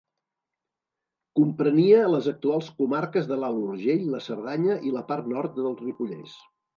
Comprenia les actuals comarques de l'Alt Urgell, la Cerdanya i la part nord del Ripollès.